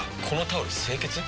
このタオル清潔？